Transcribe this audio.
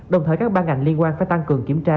đồng thời các ban ngành liên quan phải tăng cường kiểm tra